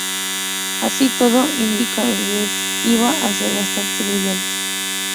Así, todo indicaba que el Hyakutake iba a ser bastante brillante.